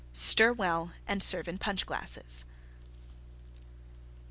Stir well and serve in Punch glasses.